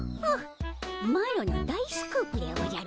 マロの大スクープでおじゃる。